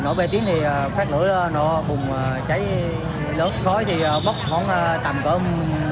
nổ bê tiếng thì phát lửa nó bùng cháy lớn khói thì bốc khoảng tầm có một mươi hai mươi m